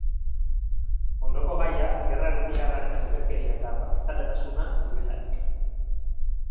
Ondoko gaia, gerra nuklearraren ankerkeria eta bakezaletasuna direlarik.